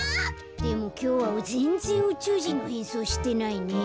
でもきょうはぜんぜんうちゅうじんのへんそうしてないね。